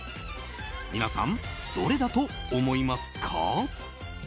皆さん、どれだと思いますか？